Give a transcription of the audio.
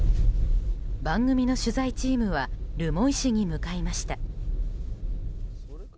番組の取材チームは留萌市に向かいました。